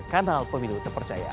kanal pemilu terpercaya